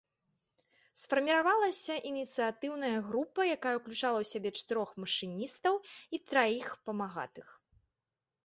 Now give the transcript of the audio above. Сфармавалася ініцыятыўная група, якая ўключала ў сябе чатырох машыністаў і траіх памагатых.